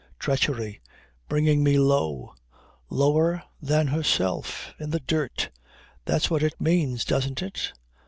Treachery! Bringing me low. Lower than herself. In the dirt. That's what it means. Doesn't it?